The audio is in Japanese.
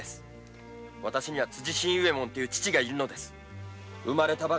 私には辻信右衛門という父がいるんです。